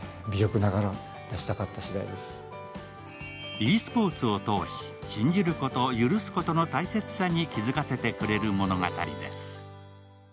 ｅスポーツを通し、信じること、許すことの大切さに気付かせてくれる物語です。